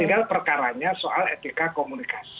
tinggal perkaranya soal etika komunikasi